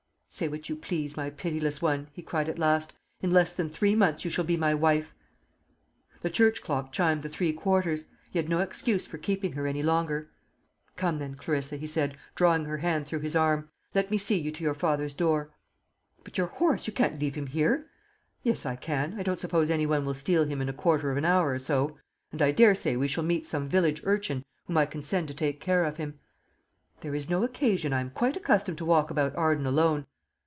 "Say what you please, my pitiless one," he cried at last; "in less than three months you shall be my wife!" The church clock chimed the three quarters. He had no excuse for keeping her any longer. "Come then, Clarissa," he said, drawing her hand through his arm; "let me see you to your father's door." "But your horse you can't leave him here?" "Yes, I can. I don't suppose any one will steal him in a quarter of an hour or so; and I daresay we shall meet some village urchin whom I can send to take care of him." "There is no occasion. I am quite accustomed to walk about Arden alone."